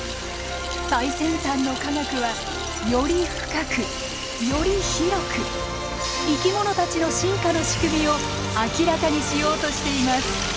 最先端の科学はより深くより広く生き物たちの進化のしくみを明らかにしようとしています。